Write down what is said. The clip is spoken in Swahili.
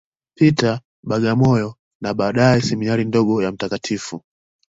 Peter, Bagamoyo, na baadaye Seminari ndogo ya Mt.